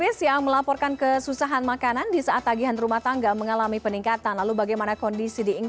selamat malam dita selamat siang waktu london